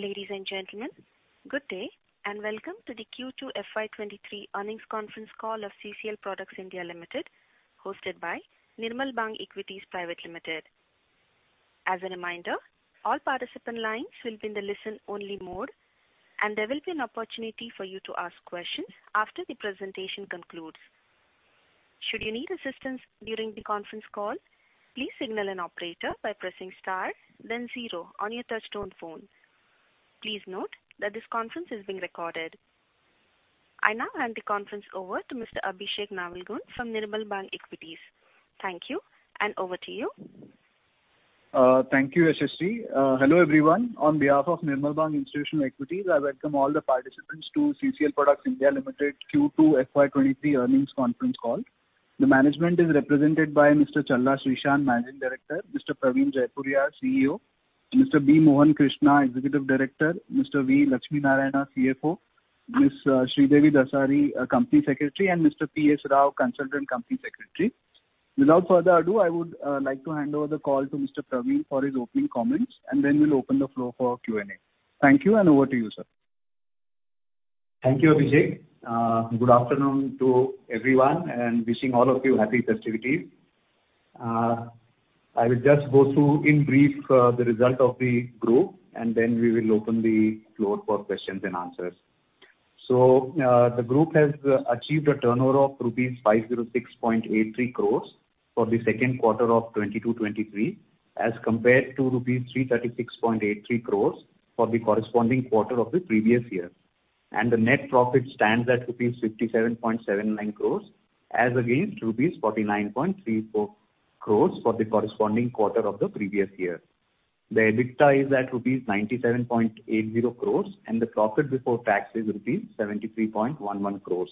Ladies and gentlemen, good day, and welcome to the Q2 FY23 earnings conference call of CCL Products (India) Limited, hosted by Nirmal Bang Equities Private Limited. As a reminder, all participant lines will be in the listen-only mode, and there will be an opportunity for you to ask questions after the presentation concludes. Should you need assistance during the conference call, please signal an operator by pressing star then zero on your touchtone phone. Please note that this conference is being recorded. I now hand the conference over to Mr. Abhishek Navalgund from Nirmal Bang Equities. Thank you, and over to you. Thank you, Sashi. Hello, everyone. On behalf of Nirmal Bang Institutional Equities, I welcome all the participants to CCL Products (India) Limited Q2 FY23 earnings conference call. The management is represented by Mr. Challa Srishant, Managing Director, Mr. Praveen Jaipuriar, CEO, Mr. B Mohankrishna, Executive Director, Mr. V Lakshminarayana, CFO, Ms. Sridevi Dasari, Company Secretary, and Mr. P.S. Rao, Consultant Company Secretary. Without further ado, I would like to hand over the call to Mr. Praveen for his opening comments, and then we'll open the floor for Q&A. Thank you, and over to you, sir. Thank you, Abhishek. Good afternoon to everyone, and wishing all of you happy festivities. I will just go through in brief the result of the Group, and then we will open the floor for questions and answers. The Group has achieved a turnover of rupees 506.83 crores for the second quarter of 2022/2023 as compared to rupees 336.83 crores for the corresponding quarter of the previous year. The net profit stands at rupees 57.79 crores as against rupees 49.34 crores for the corresponding quarter of the previous year. The EBITDA is at rupees 97.80 crores, and the profit before tax is rupees 73.11 crores.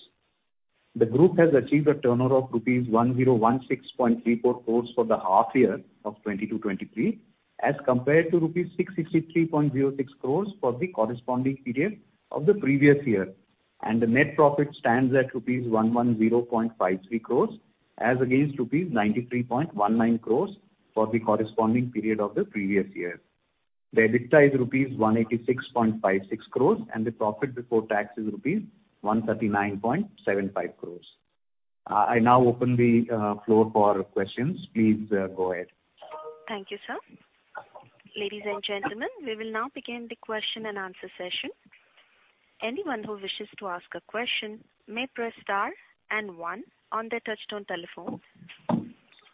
The Group has achieved a turnover of rupees 1,016.34 crore for the half year of 2022/2023, as compared to rupees 663.06 crore for the corresponding period of the previous year. The net profit stands at rupees 110.53 crore as against rupees 93.19 crore for the corresponding period of the previous year. The EBITDA is rupees 186.56 crore, and the profit before tax is rupees 139.75 crore. I now open the floor for questions. Please, go ahead. Thank you, sir. Ladies and gentlemen, we will now begin the question and answer session. Anyone who wishes to ask a question may press star and one on their touchtone telephone.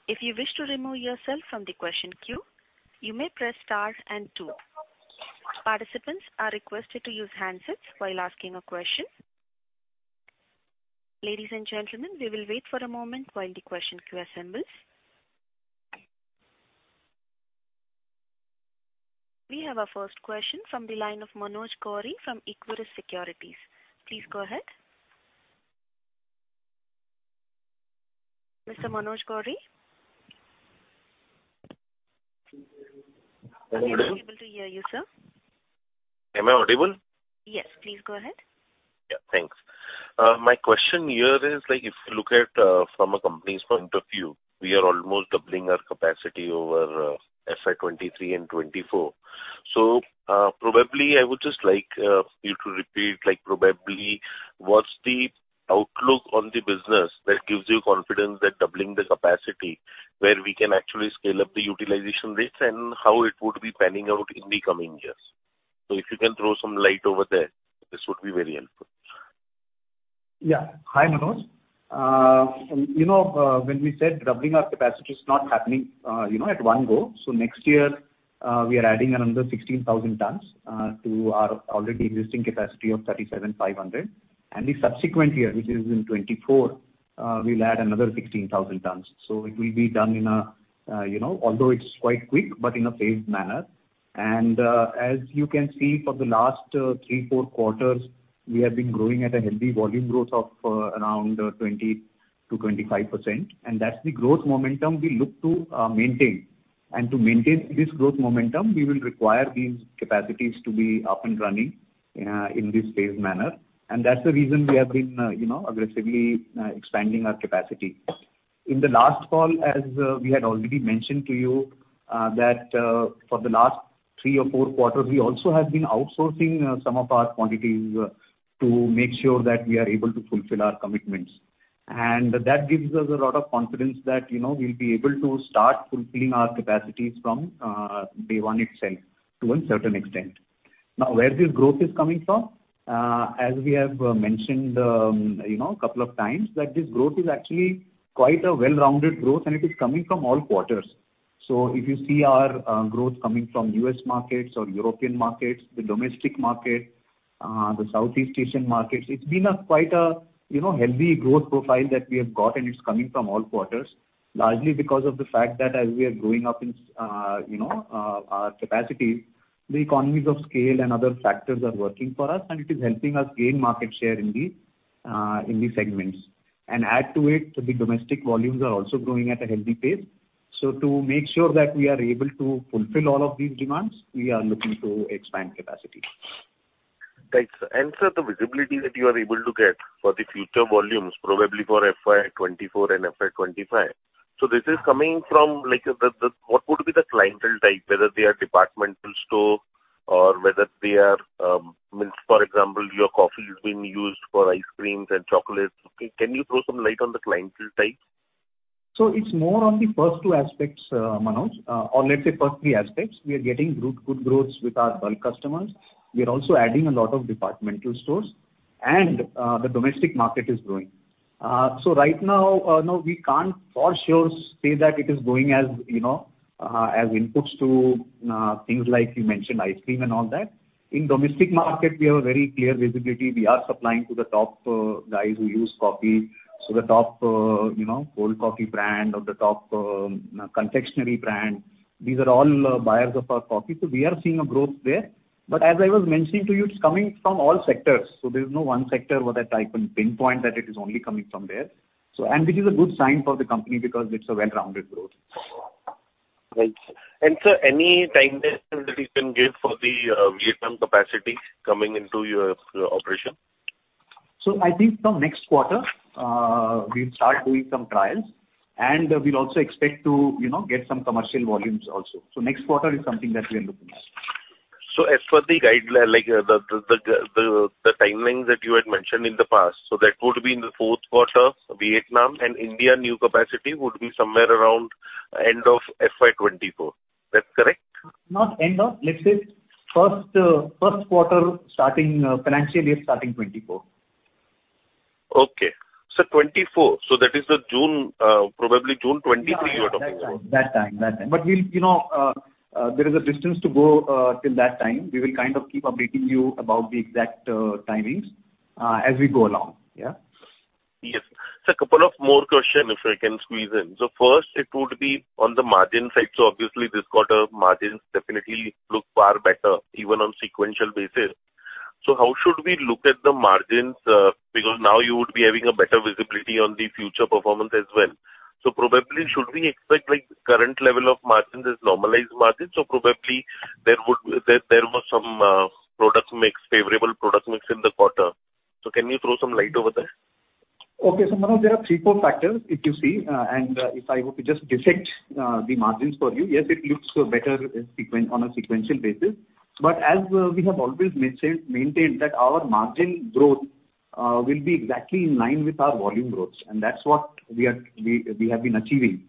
If you wish to remove yourself from the question queue, you may press star and two. Participants are requested to use handsets while asking a question. Ladies and gentlemen, we will wait for a moment while the question queue assembles. We have our first question from the line of Manoj Gori from Equirus Securities. Please go ahead. Mr. Manoj Gori? Hello, Manoj. Are we able to hear you, sir? Am I audible? Yes. Please go ahead. Yeah. Thanks. My question here is, like, if you look at from a company's point of view, we are almost doubling our capacity over FY23 and FY24. Probably I would just like you to repeat, like, probably what's the outlook on the business that gives you confidence that doubling the capacity where we can actually scale up the utilization rates and how it would be panning out in the coming years. If you can throw some light over there, this would be very helpful. Yeah. Hi, Manoj. You know, when we said doubling our capacity, it's not happening, you know, at one go. Next year, we are adding another 16,000 tons to our already existing capacity of 37,500. The subsequent year, which is in 2024, we'll add another 16,000 tons. It will be done in a, you know, although it's quite quick, but in a phased manner. As you can see for the last 3-4 quarters, we have been growing at a healthy volume growth of, around, 20%-25%. That's the growth momentum we look to maintain. To maintain this growth momentum, we will require these capacities to be up and running in this phased manner. That's the reason we have been, you know, aggressively expanding our capacity. In the last call, as we had already mentioned to you, that for the last three or four quarters, we also have been outsourcing some of our quantities to make sure that we are able to fulfill our commitments. That gives us a lot of confidence that, you know, we'll be able to start fulfilling our capacities from day one itself to a certain extent. Now, where this growth is coming from, as we have mentioned, you know, a couple of times, that this growth is actually quite a well-rounded growth, and it is coming from all quarters. If you see our growth coming from U.S. markets or European markets, the domestic market, the Southeast Asian markets, it's been quite a, you know, healthy growth profile that we have got, and it's coming from all quarters. Largely because of the fact that as we are growing up in, you know, our capacity, the economies of scale and other factors are working for us, and it is helping us gain market share in the segments. Add to it, the domestic volumes are also growing at a healthy pace. To make sure that we are able to fulfill all of these demands, we are looking to expand capacity. Right. Sir, the visibility that you are able to get for the future volumes probably for FY24 and FY25, so this is coming from, like, what would be the clientele type, whether they are departmental store or whether they are means, for example, your coffee is being used for ice creams and chocolates. Can you throw some light on the clientele type? It's more on the first two aspects, Manoj, or let's say first three aspects. We are getting good growths with our bulk customers. We are also adding a lot of department stores and the domestic market is growing. Right now, no, we can't for sure say that it is going as, you know, as inputs to things like you mentioned, ice cream and all that. In domestic market, we have a very clear visibility. We are supplying to the top guys who use coffee. The top, you know, cold coffee brand or the top confectionery brand, these are all buyers of our coffee. We are seeing a growth there. As I was mentioning to you, it's coming from all sectors, so there's no one sector where I can pinpoint that it is only coming from there. This is a good sign for the company because it's a well-rounded growth. Right. Sir, any timeline that you can give for the Vietnam capacity coming into your operation? I think from next quarter, we'll start doing some trials and we'll also expect to, you know, get some commercial volumes also. Next quarter is something that we are looking at. As for the guidance, like, the timelines that you had mentioned in the past, that would be in the fourth quarter, Vietnam and India new capacity would be somewhere around end of FY24. That's correct? Let's say first quarter starting financial year starting 2024. Okay. 2024, so that is the June, probably June 2023 you're talking about. That time. We'll, you know, there is a distance to go, till that time. We will kind of keep updating you about the exact, timings, as we go along. Yeah. Yes. Sir, couple of more question if I can squeeze in. First it would be on the margin side. Obviously this quarter margins definitely look far better even on sequential basis. How should we look at the margins? Because now you would be having a better visibility on the future performance as well. Probably should we expect like current level of margins as normalized margins or probably there was some product mix, favorable product mix in the quarter. Can you throw some light over there? Okay. Manoj, there are three, four factors if you see, and if I were to just dissect the margins for you, yes, it looks better on a sequential basis. As we have always maintained that our margin growth will be exactly in line with our volume growth, and that's what we have been achieving.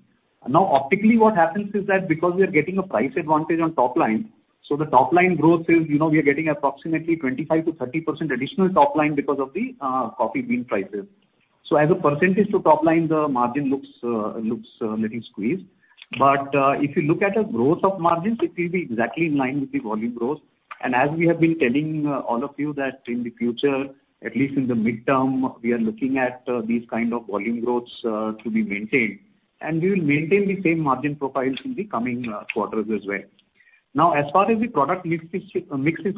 Now, optically what happens is that because we are getting a price advantage on top line, so the top line growth is, you know, we are getting approximately 25% to 30% additional top line because of the coffee bean prices. As a percentage to top line, the margin looks little squeezed. If you look at a growth of margins, it will be exactly in line with the volume growth. As we have been telling all of you that in the future, at least in the midterm, we are looking at these kind of volume growths to be maintained, and we will maintain the same margin profiles in the coming quarters as well. Now, as far as the product mix is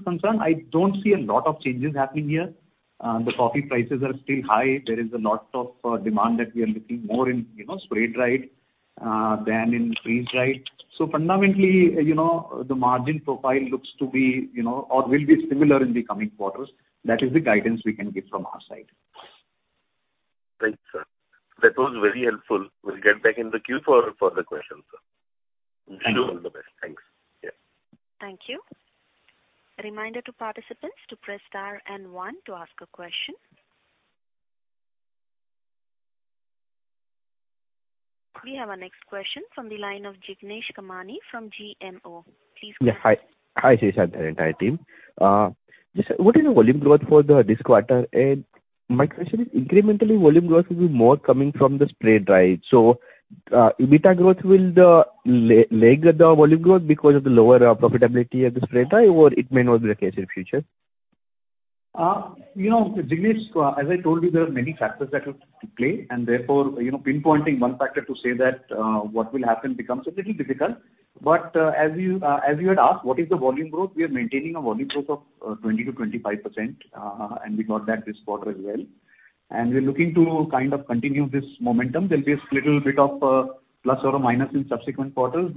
concerned, I don't see a lot of changes happening here. The coffee prices are still high. There is a lot of demand that we are looking more in, you know, spray-dried than in freeze-dried. Fundamentally, you know, the margin profile looks to be, you know, or will be similar in the coming quarters. That is the guidance we can give from our side. Thanks, sir. That was very helpful. Will get back in the queue for further questions, sir. Thank you. Wish you all the best. Thanks. Yeah. Thank you. A reminder to participants to press star and one to ask a question. We have our next question from the line of Jignesh Kamani from GMO. Please go ahead. Hi, Challa Srishant and entire team. What is the volume growth for this quarter? My question is, incrementally volume growth will be more coming from the spray-dried. EBITDA growth will lag the volume growth because of the lower profitability at the spray-dried or it may not be the case in future? You know, Jignesh, as I told you, there are many factors that will play and therefore, you know, pinpointing one factor to say that, what will happen becomes a little difficult. As you had asked, what is the volume growth, we are maintaining a volume growth of 20%-25%, and we got that this quarter as well. We're looking to kind of continue this momentum. There'll be a little bit of plus or minus in subsequent quarters.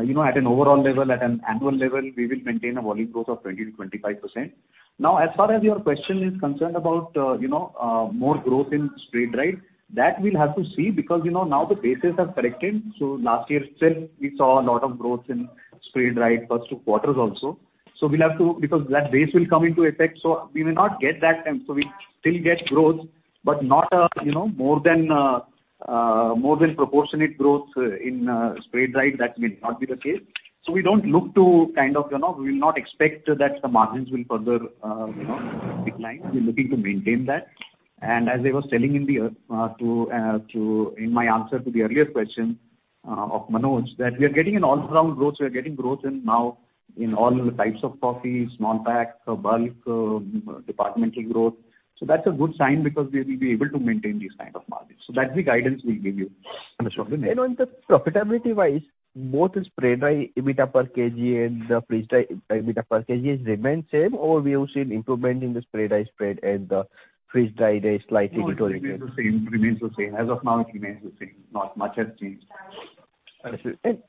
You know, at an overall level, at an annual level, we will maintain a volume growth of 20%-25%. Now, as far as your question is concerned about, you know, more growth in spray-dried, that we'll have to see because, you know, now the bases have corrected. Last year itself we saw a lot of growth in spray-dried first two quarters also. We'll have to, because that base will come into effect, so we may not get that and so we still get growth. Not, you know, more than proportionate growth in spray-dried, that may not be the case. We don't look to kind of, you know, we will not expect that the margins will further, you know, decline. We're looking to maintain that. As I was telling earlier to you in my answer to the earlier question of Manoj, that we are getting an all around growth. We are getting growth in now in all the types of coffees, small packs, bulk, departmental growth. That's a good sign because we will be able to maintain these kind of margins. That's the guidance we'll give you. Understood. On the profitability wise, both spray-dried EBITDA per kg and the freeze-dried EBITDA per kg remains same or we have seen improvement in the spray-dried spread and the freeze-dried is slightly better again. No, it remains the same. As of now it remains the same. Not much has changed.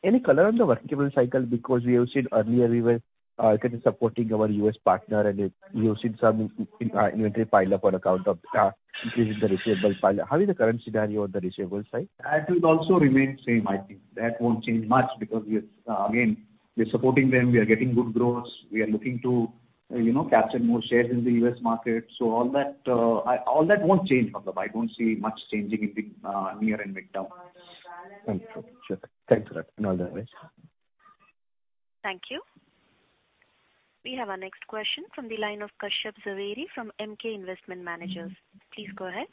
Any color on the working capital cycle because we have seen earlier we were kind of supporting our U.S. partner and you've seen some inventory pile up on account of increasing the receivables pile up. How is the current scenario on the receivables side? That will also remain same, I think. That won't change much because we are, again, we are supporting them, we are getting good growth. We are looking to, you know, capture more shares in the U.S. market. All that won't change, Abhishek Navalgund. I don't see much changing in the near and mid-term. Thank you. Sure. Thanks for that. All the best. Thank you. We have our next question from the line of Kashyap Javeri from Emkay Investment Managers. Please go ahead.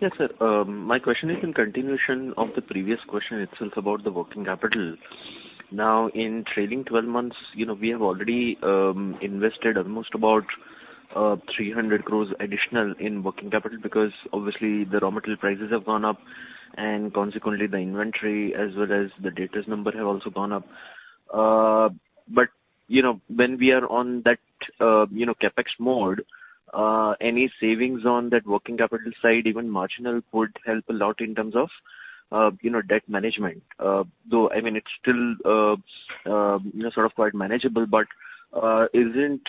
Yes, sir. My question is in continuation of the previous question itself about the working capital. Now, in trailing twelve months, you know, we have already invested almost about 300 crore additional in working capital because obviously the raw material prices have gone up, and consequently the inventory as well as the debtors number have also gone up. But, you know, when we are on that, you know, CapEx mode, any savings on that working capital side, even marginal, would help a lot in terms of, you know, debt management. Though, I mean, it's still, you know, sort of quite manageable, but, isn't,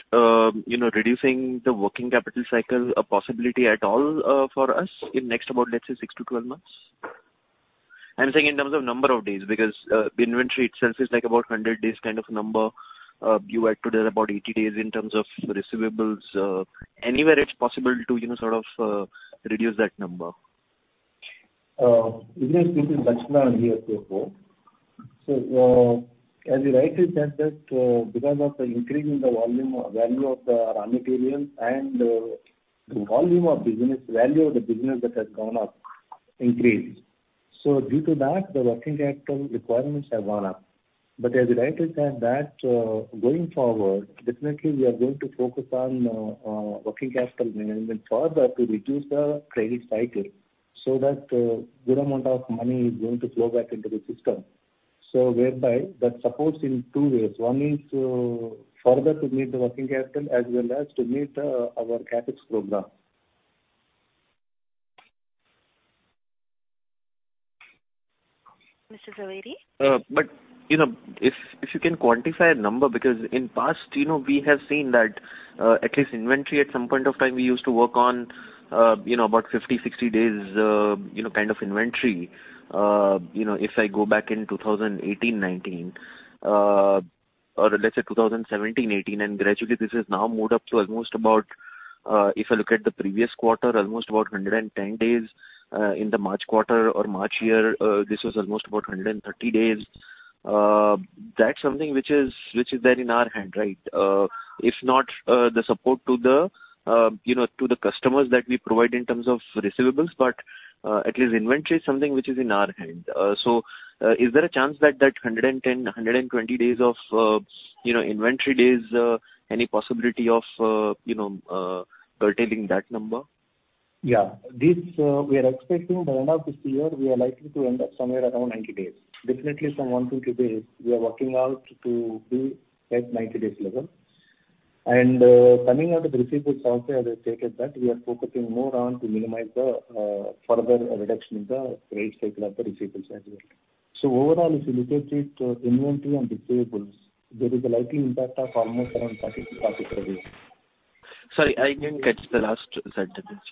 you know, reducing the working capital cycle a possibility at all, for us in next about, let's say 6 to 12 months? I'm saying in terms of number of days, because the inventory itself is like about 100 days kind of number. You have today about 80 days in terms of receivables. Anywhere it's possible to, you know, sort of, reduce that number. This is V. Lakshmi Narayana here, CFO. As you rightly said that, because of the increase in the value of the raw material and the value of the business that has increased. Due to that, the working capital requirements have gone up. As you rightly said that, going forward, definitely we are going to focus on working capital management further to reduce the credit cycle so that good amount of money is going to flow back into the system. Whereby that supports in two ways. One is to further meet the working capital as well as to meet our CapEx program. Mr. Javeri? You know, if you can quantify a number, because in past, you know, we have seen that, at least inventory at some point of time we used to work on, you know, about 50, 60 days, you know, kind of inventory. You know, if I go back in 2018, 2019, or let's say 2017, 2018, and gradually this has now moved up to almost about, if I look at the previous quarter, almost about 110 days. In the March quarter or March year, this was almost about 130 days. That's something which is there in our hand, right? If not, the support to the, you know, to the customers that we provide in terms of receivables, but at least inventory is something which is in our hand. Is there a chance that that 110-120 days of, you know, inventory days, any possibility of, you know, curtailing that number? Yeah. This, we are expecting by end of this year, we are likely to end up somewhere around 90 days. Definitely from 1-2 days, we are working out to be at 90 days level. Coming on to the receivables also, as I stated that we are focusing more on to minimize the further reduction in the credit cycle of the receivables as well. Overall, if you look at it, inventory and receivables, there is a likely impact of almost around 30-35 days. Sorry, I didn't catch the last sentence.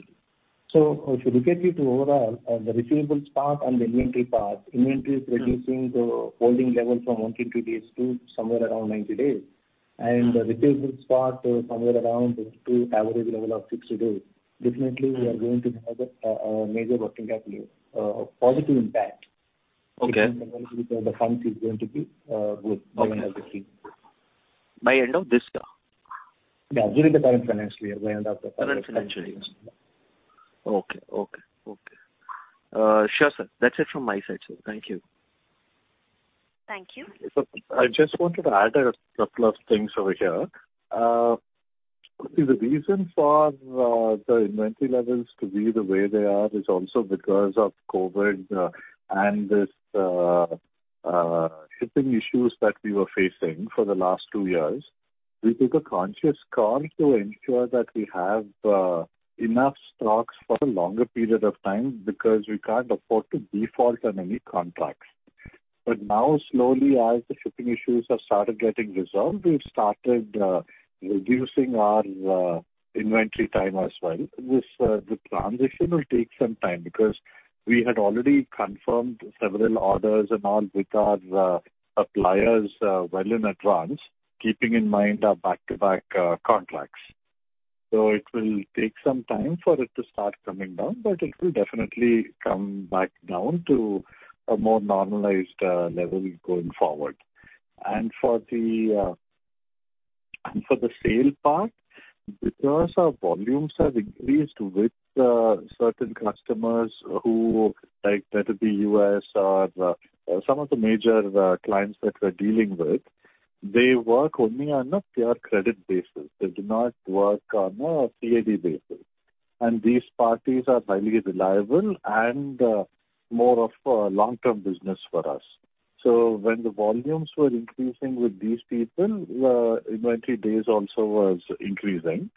If you look at it overall, the receivables part and the inventory part, inventory is reducing the holding level from 120 days to somewhere around 90 days. The receivables part, somewhere around to an average level of 60 days. Definitely we are going to have a major working capital positive impact. Okay. The funds is going to be good. Okay. 100%. By end of this year? Yeah, during the current financial year, by end of the current financial year. Current financial year. Okay. Sure, sir. That's it from my side, sir. Thank you. Thank you. I just wanted to add a couple of things over here. See the reason for the inventory levels to be the way they are is also because of COVID and this shipping issues that we were facing for the last two years. We took a conscious call to ensure that we have enough stocks for a longer period of time because we can't afford to default on any contracts. Now, slowly, as the shipping issues have started getting resolved, we've started reducing our inventory time as well. The transition will take some time because we had already confirmed several orders and all with our suppliers well in advance, keeping in mind our back-to-back contracts. It will take some time for it to start coming down, but it will definitely come back down to a more normalized level going forward. For the sales part, because our volumes have increased with certain customers who like that of the U.S. or some of the major clients that we're dealing with, they work only on a pure credit basis. They do not work on a CAD basis. These parties are highly reliable and more of a long-term business for us. When the volumes were increasing with these people, inventory days also was increasing.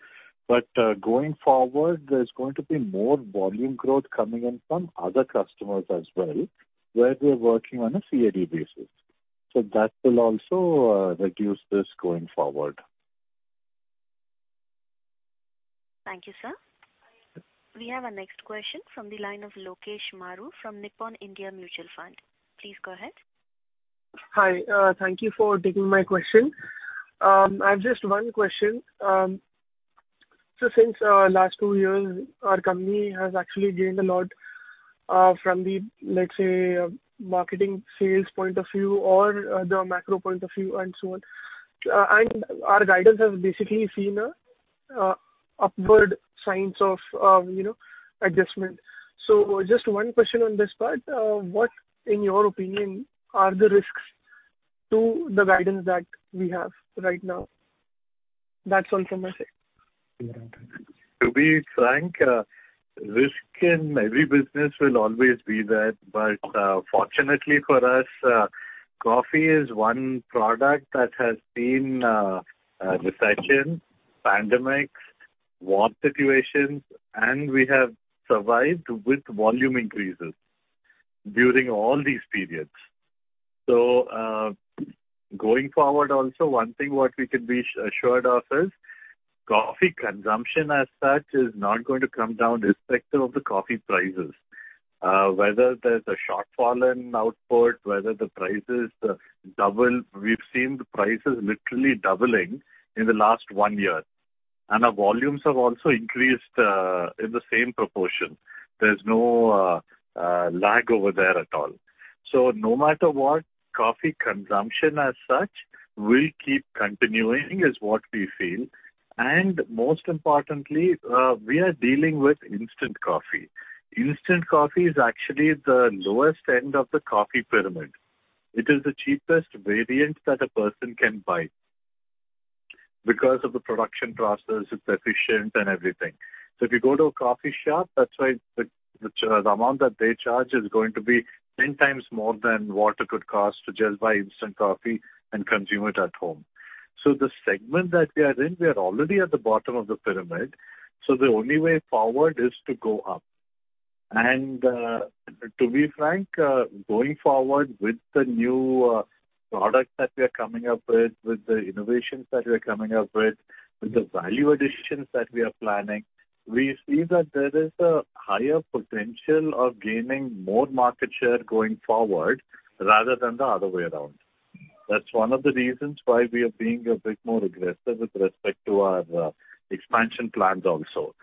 Going forward, there's going to be more volume growth coming in from other customers as well, where we are working on a CAD basis. That will also reduce this going forward. Thank you, sir. We have our next question from the line of Lokesh Maru from Nippon India Mutual Fund. Please go ahead. Hi. Thank you for taking my question. I have just one question. Since last two years, our company has actually gained a lot from the, let's say, marketing sales point of view or the macro point of view and so on. Our guidance has basically seen a upward signs of, you know, adjustment. Just one question on this part. What, in your opinion, are the risks to the guidance that we have right now? That's all from my side. To be frank, risk in every business will always be there. Fortunately for us, coffee is one product that has seen recession, pandemics, war situations, and we have survived with volume increases during all these periods. Going forward also, one thing what we can be assured of is coffee consumption as such is not going to come down irrespective of the coffee prices. Whether there's a shortfall in output, whether the prices double. We've seen the prices literally doubling in the last one year, and our volumes have also increased in the same proportion. There's no lag over there at all. No matter what, coffee consumption as such will keep continuing, is what we feel. Most importantly, we are dealing with instant coffee. Instant coffee is actually the lowest end of the coffee pyramid. It is the cheapest variant that a person can buy. Because of the production process, it's efficient and everything. If you go to a coffee shop, that's why the amount that they charge is going to be 10 times more than what it would cost to just buy instant coffee and consume it at home. The segment that we are in, we are already at the bottom of the pyramid, so the only way forward is to go up. To be frank, going forward with the new products that we are coming up with the innovations that we are coming up with the value additions that we are planning, we see that there is a higher potential of gaining more market share going forward rather than the other way around. That's one of the reasons why we are being a bit more aggressive with respect to our expansion plans also.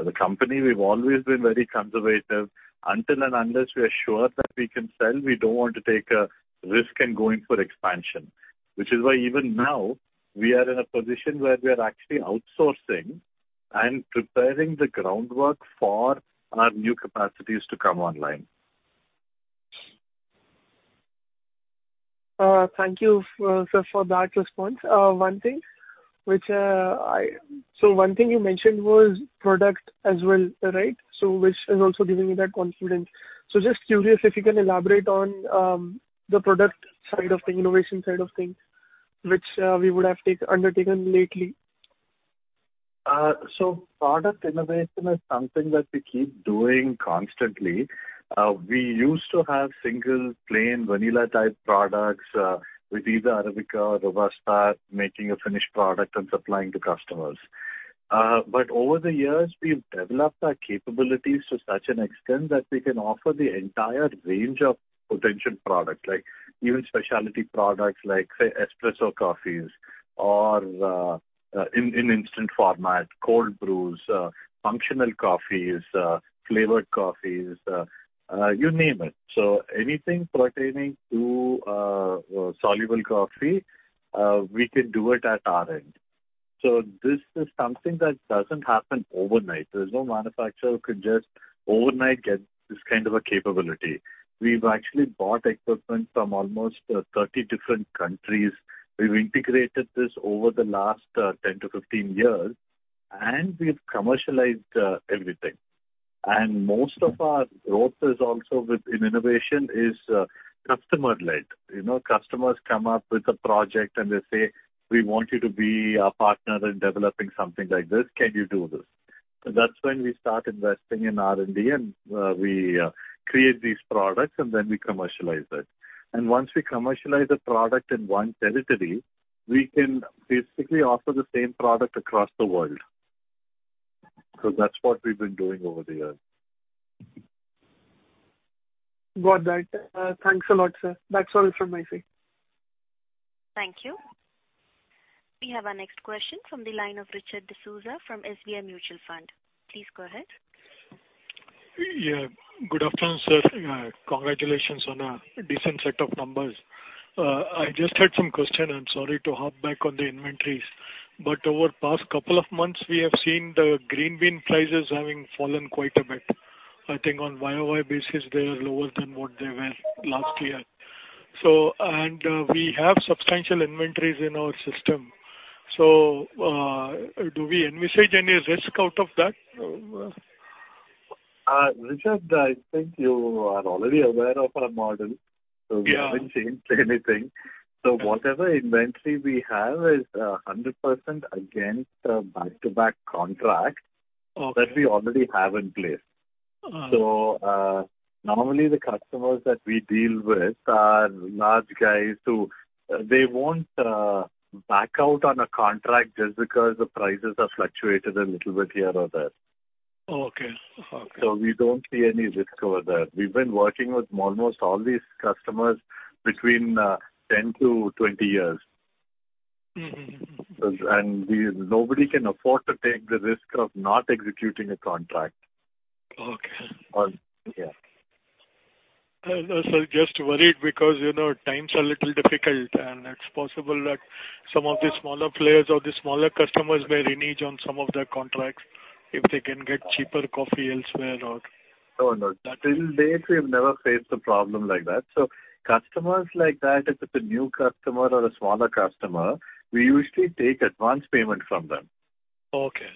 As a company, we've always been very conservative. Until and unless we are sure that we can sell, we don't want to take a risk in going for expansion. Which is why even now we are in a position where we are actually outsourcing and preparing the groundwork for our new capacities to come online. Thank you, sir, for that response. One thing you mentioned was product as well, right? Just curious, if you can elaborate on the product side of the innovation side of things which we would have undertaken lately. Product innovation is something that we keep doing constantly. We used to have single plain vanilla type products with either Arabica or Robusta, making a finished product and supplying to customers. Over the years, we've developed our capabilities to such an extent that we can offer the entire range of potential products, like even specialty products like, say, espresso coffees or in instant format, cold brews, functional coffees, flavored coffees, you name it. Anything pertaining to soluble coffee, we can do it at our end. This is something that doesn't happen overnight. There's no manufacturer who can just overnight get this kind of a capability. We've actually bought equipment from almost 30 different countries. We've integrated this over the last 10-15 years, and we've commercialized everything. Most of our growth is also within innovation, customer-led. You know, customers come up with a project and they say, "We want you to be our partner in developing something like this. Can you do this?" That's when we start investing in R&D and we create these products and then we commercialize it. Once we commercialize a product in one territory, we can basically offer the same product across the world. That's what we've been doing over the years. Got that. Thanks a lot, sir. That's all from my side. Thank you. We have our next question from the line of Richard D'Souza from SBI Mutual Fund. Please go ahead. Yeah. Good afternoon, sir. Congratulations on a decent set of numbers. I just had some question. I'm sorry to hop back on the inventories, but over past couple of months, we have seen the green bean prices having fallen quite a bit. I think on YoY basis they are lower than what they were last year. We have substantial inventories in our system. Do we envisage any risk out of that? Richard, I think you are already aware of our model. Yeah. We haven't changed anything. Whatever inventory we have is 100% against the back-to-back contract. Okay. that we already have in place. Uh-huh. Normally the customers that we deal with are large guys who they won't back out on a contract just because the prices have fluctuated a little bit here or there. Okay. Okay. We don't see any risk over there. We've been working with almost all these customers between 10-20 years. Mm-hmm. Nobody can afford to take the risk of not executing a contract. Okay. Yeah. No, just worried because, you know, times are a little difficult, and it's possible that some of the smaller players or the smaller customers may renege on some of their contracts if they can get cheaper coffee elsewhere or. No, no. That- To date, we've never faced a problem like that. Customers like that, if it's a new customer or a smaller customer, we usually take advance payment from them. Okay.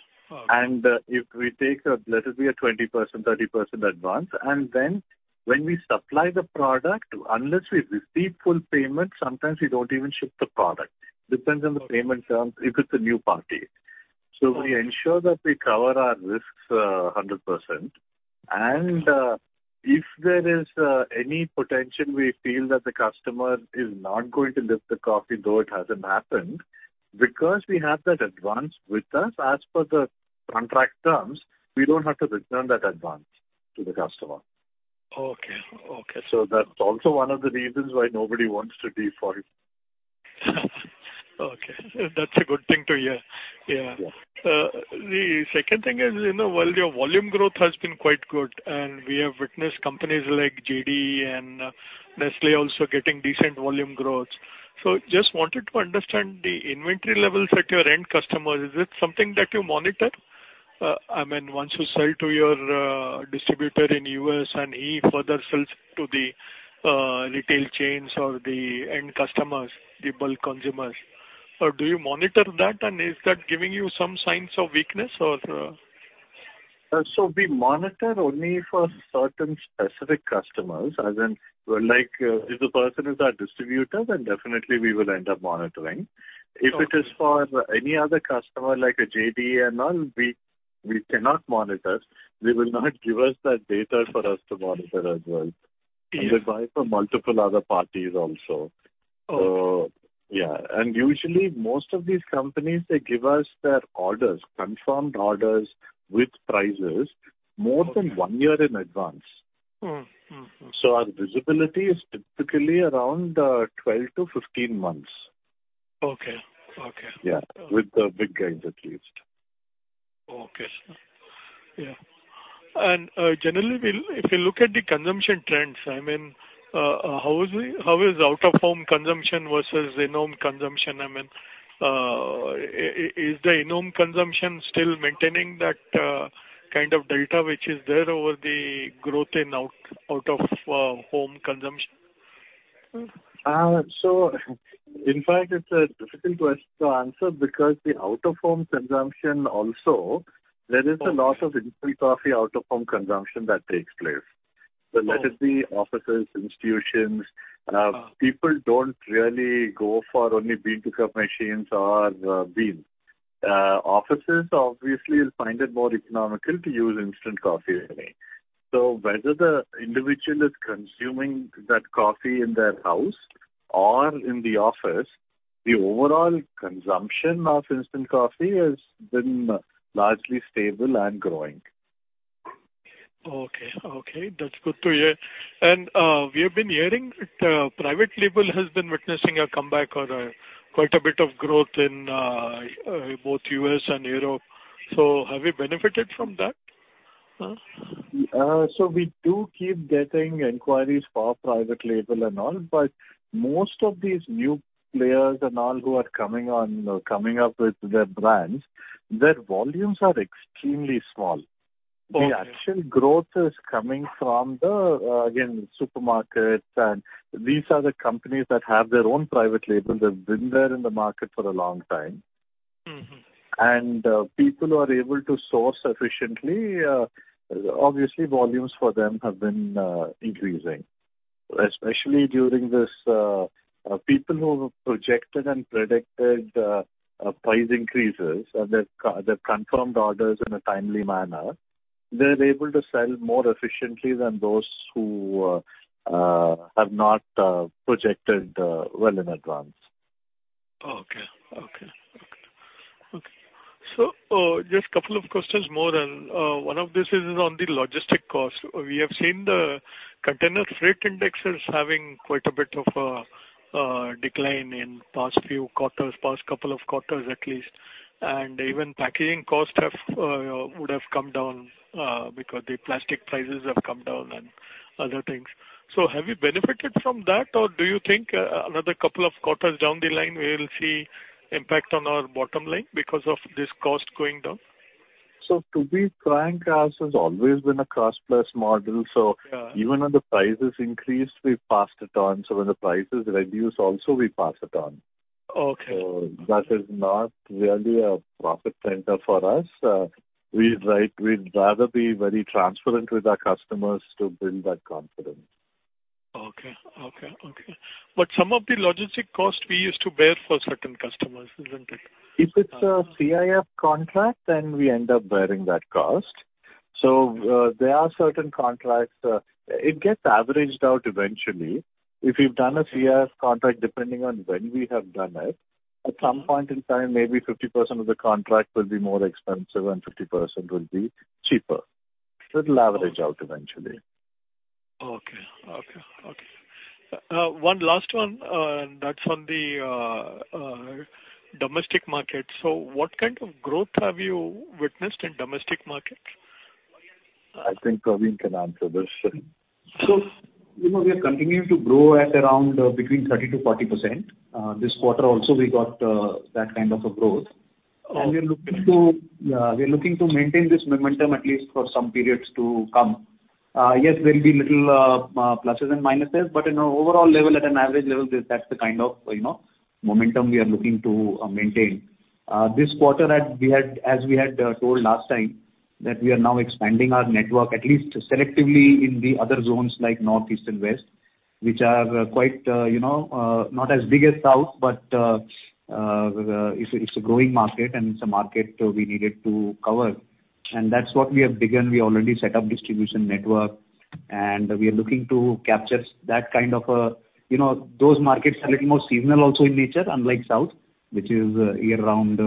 If we take a, let's say a 20%-30% advance, and then when we supply the product, unless we receive full payment, sometimes we don't even ship the product. Depends on the payment terms if it's a new party. We ensure that we cover our risks 100%. If there is any potential we feel that the customer is not going to lift the coffee, though it hasn't happened, because we have that advance with us, as per the contract terms, we don't have to return that advance to the customer. Okay. That's also one of the reasons why nobody wants to default. Okay. That's a good thing to hear. Yeah. Yeah. The second thing is, you know, while your volume growth has been quite good, and we have witnessed companies like JDE and Nestlé also getting decent volume growth. Just wanted to understand the inventory levels at your end customer. Is it something that you monitor? I mean, once you sell to your distributor in U.S., and he further sells to the retail chains or the end customers, the bulk consumers. Do you monitor that? Is that giving you some signs of weakness or? We monitor only for certain specific customers. As in, well, like, if the person is our distributor, then definitely we will end up monitoring. Okay. If it is for any other customer, like a JDE and all, we cannot monitor. They will not give us that data for us to monitor as well. Yeah. They buy from multiple other parties also. Okay. Yeah. Usually, most of these companies, they give us their orders, confirmed orders with prices more than one year in advance. Mm-hmm. Mm-hmm. Our visibility is typically around 12-15 months. Okay. Yeah. With the big guys at least. Generally, if you look at the consumption trends, I mean, how is out-of-home consumption versus in-home consumption? I mean, is the in-home consumption still maintaining that kind of delta which is there over the growth in out-of-home consumption? In fact, it's a difficult question to answer because the out-of-home consumption also, there is a lot of instant coffee out-of-home consumption that takes place. Okay. Let it be offices, institutions. Uh-huh. People don't really go for only B2C machines or beans. Offices obviously will find it more economical to use instant coffee anyway. Whether the individual is consuming that coffee in their house or in the office, the overall consumption of instant coffee has been largely stable and growing. Okay. Okay, that's good to hear. We have been hearing that private label has been witnessing a comeback or quite a bit of growth in both U.S. and Europe. Have you benefited from that? We do keep getting inquiries for our private label and all, but most of these new players and all who are coming up with their brands, their volumes are extremely small. Okay. The actual growth is coming from the again, supermarkets. These are the companies that have their own private label. They've been there in the market for a long time. Mm-hmm. People who are able to source efficiently, obviously volumes for them have been increasing. Especially during this, people who have projected and predicted price increases and they've confirmed orders in a timely manner, they're able to sell more efficiently than those who have not projected well in advance. Just a couple of questions more then. One of these is on the logistics cost. We have seen the container freight indexes having quite a bit of decline in past couple of quarters at least. Even packaging costs would have come down because the plastic prices have come down and other things. Have you benefited from that, or do you think another couple of quarters down the line we'll see impact on our bottom line because of this cost going down? To be frank, ours has always been a cost-plus model. Yeah. Even when the prices increase, we pass it on. When the prices reduce also we pass it on. Okay. That is not really a profit center for us. We'd rather be very transparent with our customers to build that confidence. Okay. Some of the logistics costs we used to bear for certain customers, isn't it? If it's a CIF contract, then we end up bearing that cost. There are certain contracts, it gets averaged out eventually. If you've done a CIF contract, depending on when we have done it, at some point in time, maybe 50% of the contract will be more expensive and 50% will be cheaper. It'll average out eventually. Okay, one last one, and that's on the domestic market. What kind of growth have you witnessed in domestic market? I think Praveen can answer this. You know, we are continuing to grow at around between 30%-40%. This quarter also we got that kind of a growth. We're looking to maintain this momentum at least for some periods to come. Yes, there'll be little pluses and minuses, but in overall level, at an average level, that's the kind of, you know, momentum we are looking to maintain. This quarter as we had told last time, that we are now expanding our network at least selectively in the other zones like North, East, and West, which are quite, you know, not as big as South, but it's a growing market and it's a market we needed to cover. That's what we have begun. We already set up distribution network, and we are looking to capture that kind of a. You know, those markets are a little more seasonal also in nature, unlike South, which is year-round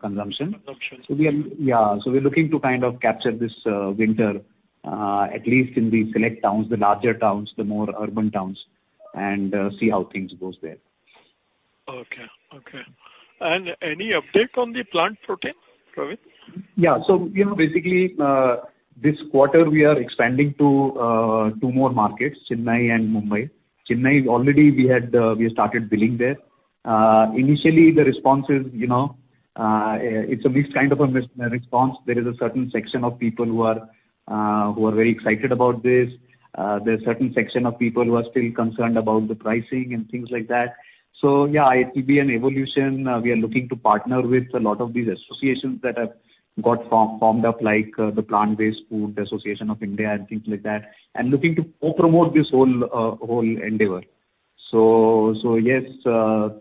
consumption. Consumption. We're looking to kind of capture this winter, at least in the select towns, the larger towns, the more urban towns, and see how things goes there. Okay. Any update on the plant protein, Praveen? Yeah. You know, basically, this quarter we are expanding to two more markets, Chennai and Mumbai. Chennai already we had, we have started billing there. Initially the response is, you know, it's a mixed kind of a response. There is a certain section of people who are very excited about this. There are certain section of people who are still concerned about the pricing and things like that. Yeah, it will be an evolution. We are looking to partner with a lot of these associations that have got formed up, like the Plant Based Foods Industry Association and things like that, and looking to co-promote this whole endeavor. Yes,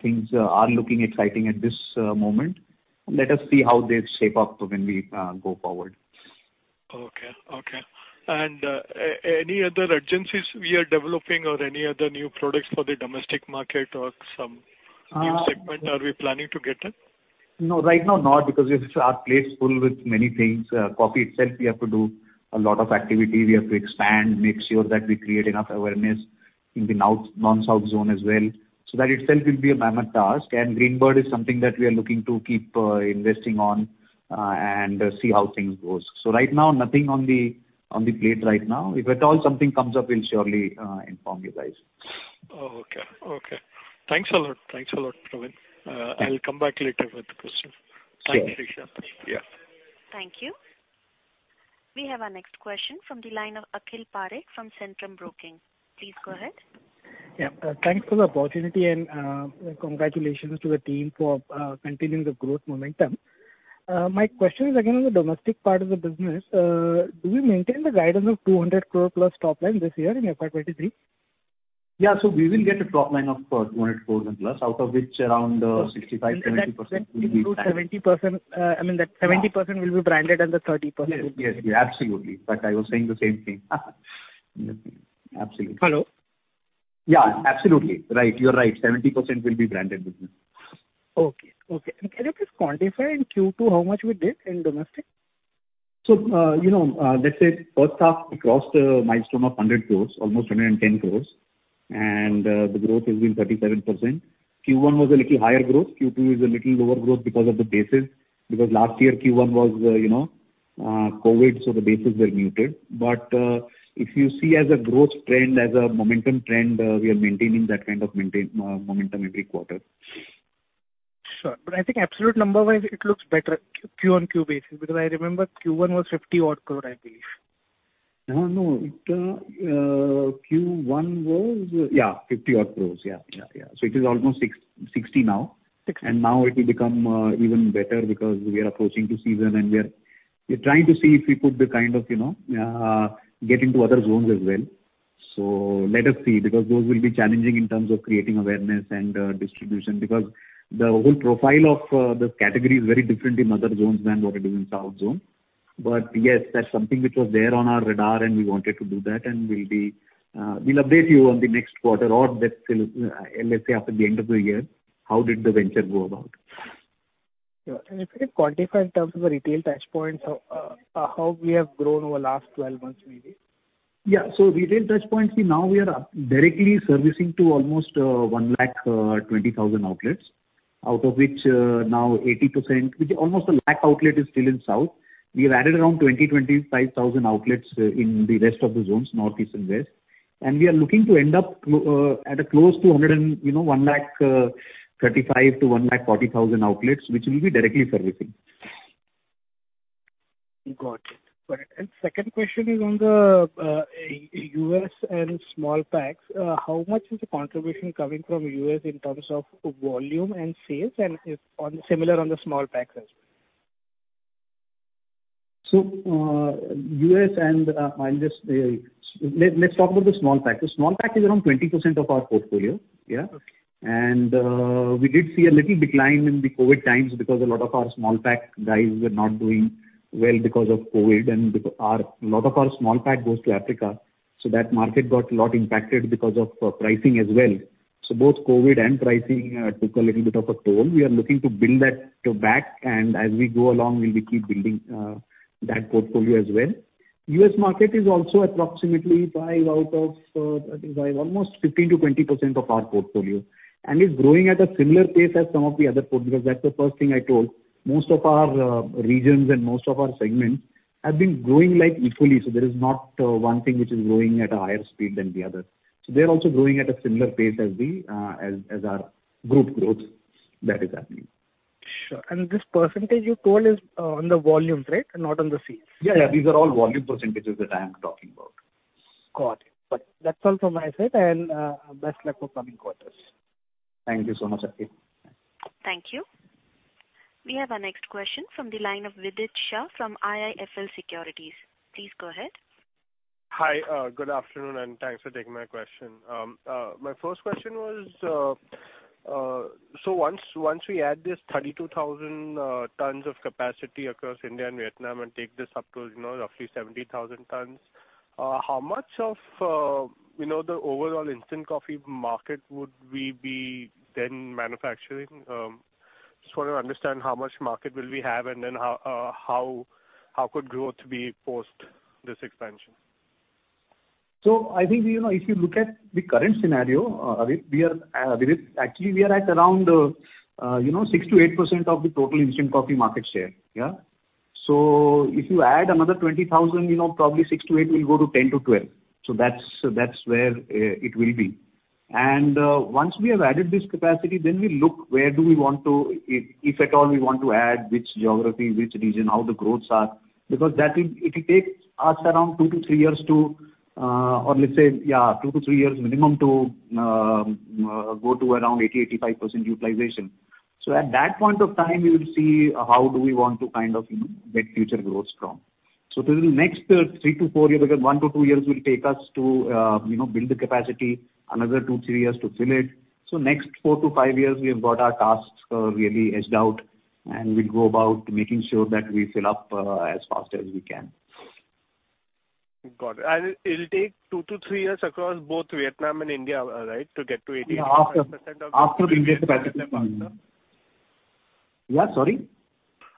things are looking exciting at this moment. Let us see how they shape up when we go forward. Okay. Any other agencies we are developing or any other new products for the domestic market or some new segment, are we planning to get in? No, right now not, because we have a full plate with many things. Coffee itself, we have to do a lot of activity. We have to expand, make sure that we create enough awareness in North and South zone as well. That itself will be a mammoth task. Continental Greenbird is something that we are looking to keep investing on and see how things goes. Right now, nothing on the plate right now. If at all something comes up, we'll surely inform you guys. Oh, okay. Thanks a lot, Praveen. I'll come back later with the question. Sure. Thanks, Praveen Jaipuriar. Yeah. Thank you. We have our next question from the line of Akhil Parekh from Centrum Broking. Please go ahead. Yeah. Thanks for the opportunity and, congratulations to the team for continuing the growth momentum. My question is again on the domestic part of the business. Do we maintain the guidance of 200 crore plus top line this year in FY23? Yeah. We will get a top line of 200 crores and plus, out of which around 65%-70% will be- That 70%, I mean, will be branded and the 30%. Yes. Absolutely. In fact, I was saying the same thing. Absolutely. Hello? Yeah, absolutely. Right. You're right. 70% will be branded business. Okay. Can you please quantify in Q2 how much we did in domestic? You know, let's say first half we crossed a milestone of 100 crore, almost 110 crore. The growth has been 37%. Q1 was a little higher growth. Q2 is a little lower growth because of the basis, because last year Q1 was, you know, COVID, so the bases were muted. If you see as a growth trend, as a momentum trend, we are maintaining that kind of momentum every quarter. Sure. I think absolute number-wise it looks better Q-on-Q basis, because I remember Q1 was 50-odd crore, I believe. No. Q1 was, yeah, 50 odd crores. Yeah. It is almost 660 crores now. Six. Now it will become even better because we are approaching to season, and we're trying to see if we put the kind of, you know, get into other zones as well. Let us see, because those will be challenging in terms of creating awareness and distribution because the whole profile of the category is very different in other zones than what it is in south zone. Yes, that's something which was there on our radar and we wanted to do that and we'll update you on the next quarter or let's say after the end of the year how did the venture go about. Yeah. If you can quantify in terms of the retail touchpoints, how we have grown over last 12 months maybe. Yeah. Retail touchpoints, see now we are directly servicing almost 120,000 outlets, out of which now 80%, which is almost 100,000 outlets, is still in south. We have added around 20-25,000 outlets in the rest of the zones, north, east and west. We are looking to end up at close to 135,000-140,000 outlets, which we'll be directly servicing. Got it. Great. Second question is on the U.S. and small packs. How much is the contribution coming from U.S. in terms of volume and sales, and info similar on the small packs as well? Let's talk about the small pack. The small pack is around 20% of our portfolio, yeah. Okay. We did see a little decline in the COVID times because a lot of our small pack goes to Africa, so that market got a lot impacted because of pricing as well. Both COVID and pricing took a little bit of a toll. We are looking to build that back, and as we go along we'll keep building that portfolio as well. US market is also approximately 5 out of, I think 5, almost 15%-20% of our portfolio and is growing at a similar pace as some of the other port because that's the first thing I told. Most of our regions and most of our segments have been growing like equally, so there is not one thing which is growing at a higher speed than the other. They're also growing at a similar pace as we as our Group grows. That is happening. Sure. This percentage you told is on the volumes, right? Not on the sales. Yeah, yeah. These are all volume percentages that I am talking about. Got it. That's all from my side, and best luck for coming quarters. Thank you so much, Akhil. Thank you. We have our next question from the line of Vidit Shah from IIFL Securities. Please go ahead. Hi, good afternoon, and thanks for taking my question. My first question was, once we add this 32,000 tons of capacity across India and Vietnam and take this up to, you know, roughly 70,000 tons, how much of, you know, the overall instant coffee market would we be then manufacturing? Just wanna understand how much market will we have and then how could growth be post this expansion. I think, you know, if you look at the current scenario, actually we are at around, you know, 6%-8% of the total instant coffee market share, yeah. If you add another 20,000, you know, probably 6%-8% will go to 10%-12%. That's where it will be. Once we have added this capacity, then we'll look where do we want to if at all we want to add, which geography, which region, how the growths are, because that will take us around 2-3 years to, or let's say, yeah, 2-3 years minimum to go to around 80%-85% utilization. At that point of time we will see how do we want to kind of, you know, get future growth from. Till next 3-4 years, because 1-2 years will take us to, you know, build the capacity, another 2-3 years to fill it. Next 4-5 years we have got our tasks really edged out and we'll go about making sure that we fill up as fast as we can. Got it. It'll take 2-3 years across both Vietnam and India, right, to get to 80%. After India capacity comes up. Yeah, sorry.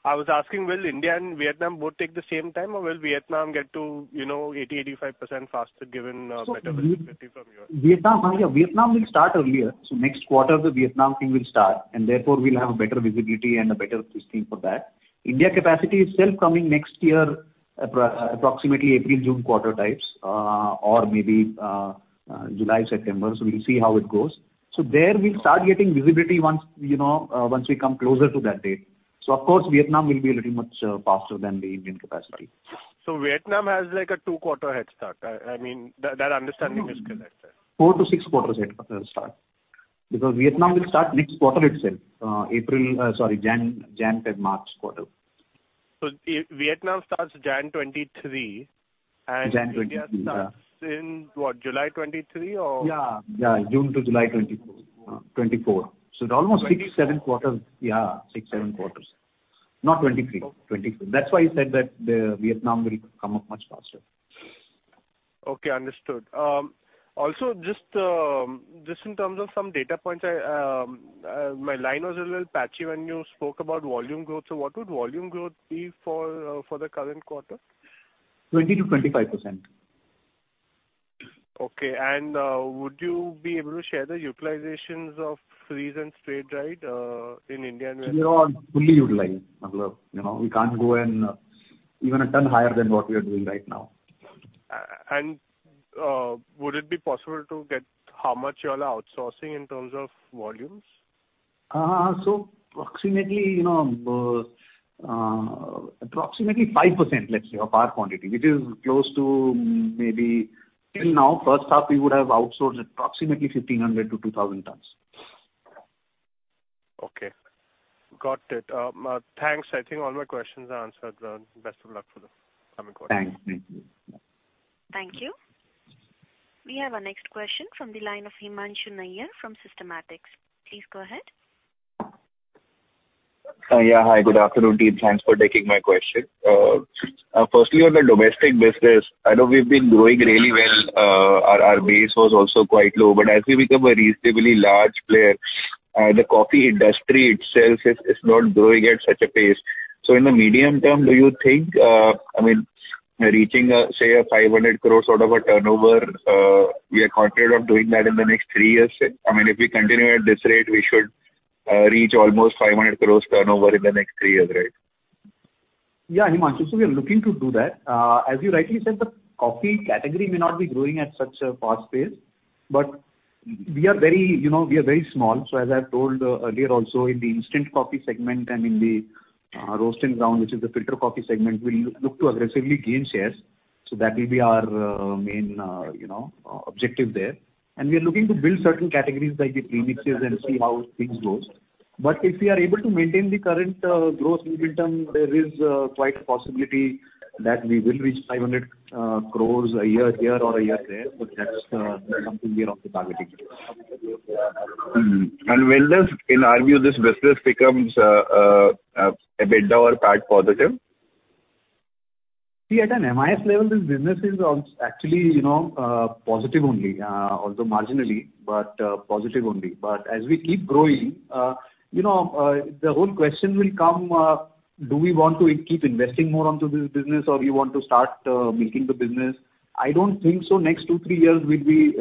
I was asking, will India and Vietnam both take the same time, or will Vietnam get to 80%-85% faster given better visibility from your end? Vietnam, yeah. Vietnam will start earlier. Next quarter the Vietnam thing will start, and therefore we'll have a better visibility and a better pricing for that. India capacity is still coming next year, approximately April-June quarter types, or maybe July-September. We'll see how it goes. There we'll start getting visibility once you know once we come closer to that date. Of course, Vietnam will be a little much faster than the Indian capacity. Vietnam has like a 2-quarter head start. I mean, that understanding is correct? 4-6 quarters head start. Because Vietnam will start next quarter itself, sorry, January, February, March quarter. Vietnam starts January 2023 and January 2023, yeah. India starts in what? July 2023. Yeah, yeah. June to July 2024. '24. It's almost 6-7 quarters. Yeah. 6-7 quarters. Not 2023. 2024. That's why I said that the Vietnam will come up much faster. Okay, understood. Also just in terms of some data points I, my line was a little patchy when you spoke about volume growth. What would volume growth be for the current quarter? 20%-25%. Would you be able to share the utilizations of freeze-dried and spray-dried in India and Vietnam? We are fully utilized. You know, we can't go and even a ton higher than what we are doing right now. Would it be possible to get how much y'all are outsourcing in terms of volumes? Approximately, you know, approximately 5%, let's say, of our quantity, which is close to maybe till now, first half we would have outsourced approximately 1,500-2,000 tons. Okay. Got it. Thanks. I think all my questions are answered. Best of luck for the coming quarter. Thanks. Thank you. Thank you. We have our next question from the line of Himanshu Nayyar from Systematix. Please go ahead. Yeah. Hi, good afternoon team. Thanks for taking my question. Firstly on the domestic business, I know we've been growing really well. Our base was also quite low, but as we become a reasonably large player, the coffee industry itself is not growing at such a pace. In the medium term, do you think, I mean, reaching, say a 500 crore sort of a turnover, we are confident of doing that in the next three years, say? I mean, if we continue at this rate, we should reach almost 500 crore turnover in the next three years, right? Yeah, Himanshu. We are looking to do that. As you rightly said, the coffee category may not be growing at such a fast pace, but we are very, you know, we are very small. As I've told earlier also in the instant coffee segment and in the Roast and Ground, which is the filter coffee segment, we look to aggressively gain shares, so that will be our main, you know, objective there. We are looking to build certain categories like the premixes and see how things goes. If we are able to maintain the current growth momentum, there is quite a possibility that we will reach 500 crores a year here or a year there, but that's something we are not targeting. Mm-hmm. When does, in our view, this business becomes EBITDA or PAT positive? See, at an MIS level, this business is actually, you know, positive only, although marginally, but, positive only. As we keep growing, you know, the whole question will come, do we want to keep investing more onto this business or we want to start, milking the business? I don't think so. Next two, three years we'll be,